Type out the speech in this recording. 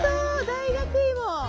大学芋！